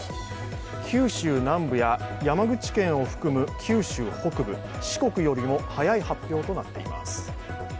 九州南部や山口県を含む九州北部、四国よりも早い発表となっています。